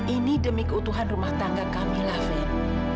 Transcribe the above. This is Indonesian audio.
ini demi keutuhan rumah tangga camilla fen